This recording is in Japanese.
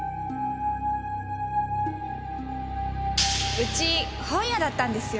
うち本屋だったんですよ。